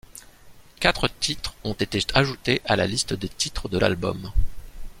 Quatre titres ont été ajoutés à la liste des titres de l'album.